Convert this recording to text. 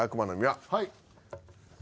はい。